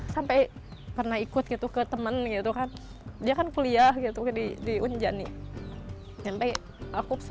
sampai pernah ikut gitu ke temen gitu kan dia kan kuliah gitu di unjani sampai aku